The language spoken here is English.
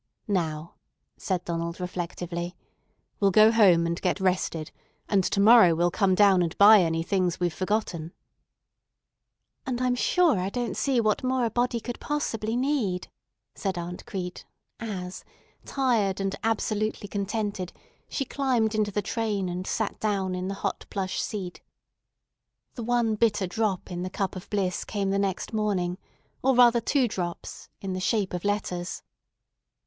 "Now," said Donald reflectively, "we'll go home and get rested, and to morrow we'll come down and buy any things we've forgotten." "And I'm sure I don't see what more a body could possibly need," said Aunt Crete, as, tired and absolutely contented, she climbed into the train and sat down in the hot plush seat. The one bitter drop in the cup of bliss came the next morning—or rather two drops—in the shape of letters.